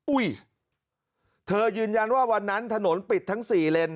อุ้ยเธอยืนยันว่าวันนั้นถนนปิดทั้ง๔เลน